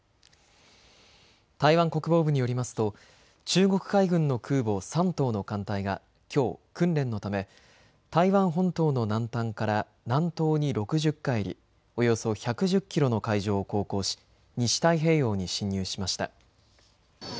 台湾国防部によりますと中国海軍の空母、山東の艦隊がきょう訓練のため台湾本島の南端から南東に６０海里、およそ１１０キロの海上を航行し西太平洋に進入しました。